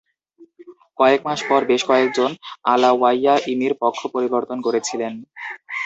কয়েক মাস পরে বেশ কয়েকজন আলাওয়াইয়া-ইমির পক্ষ পরিবর্তন করেছিলেন।